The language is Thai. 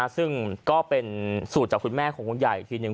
ซึ่งก็เป็นสูตรจากคุณแม่ของลุงใหญ่อีกทีหนึ่ง